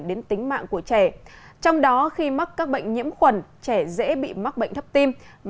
để điều trị